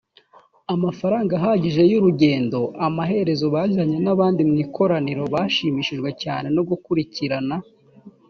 amafaranga ahagije y urugendo amaherezo bajyanye n abandi mu ikoraniro bashimishijwe cyane no gukurikirana